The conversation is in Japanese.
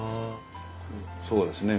そうですね。